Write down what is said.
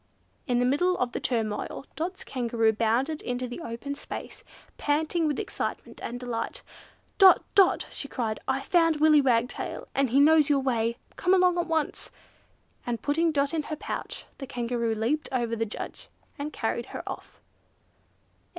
In the middle of the turmoil, Dot's Kangaroo bounded into the open space, panting with excitement and delight. "Dot! Dot!" she cried, "I've found Willy Wagtail, and he knows your way! Come along at once!" And, putting Dot in her pouch, the Kangaroo leaped clean over the judge and carried her off!